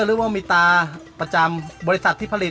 หรือว่ามีตาประจำบริษัทที่ผลิต